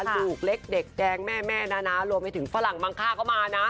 ลูกเล็กเด็กแดงแม่นะรวมไปถึงฝรั่งมังค่าเข้ามานะ